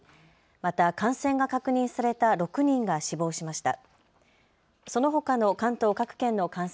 また感染が確認された６人が死亡しました。